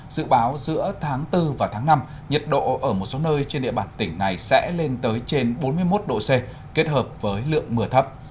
dự báo giữa tháng bốn và tháng năm nhiệt độ ở một số nơi trên địa bàn tỉnh này sẽ lên tới trên bốn mươi một độ c kết hợp với lượng mưa thấp